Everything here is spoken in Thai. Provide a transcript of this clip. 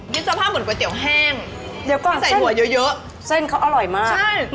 สภาพเหมือนก๋วยเตี๋ยวแห้งเดี๋ยวก่อนใส่หัวเยอะเยอะเส้นเขาอร่อยมากใช่